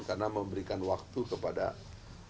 karena memberikan waktu kepentingan dan keuntungan